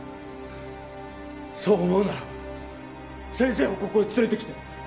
そう思うなら先生をここへ連れてきて。